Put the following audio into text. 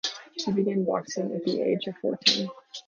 He began boxing at the age of fourteen.